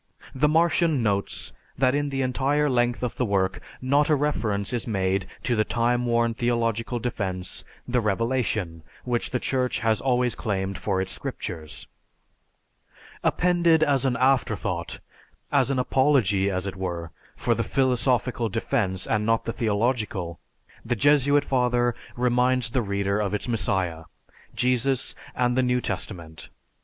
The Martian notes that in the entire length of the work not a reference is made to the time worn theological defense, "the revelation" which the Church has always claimed for its scriptures. Appended as an afterthought, as an apology, as it were, for the philosophical defense and not the theological, the Jesuit father reminds the reader of its messiah, Jesus and the New Testament.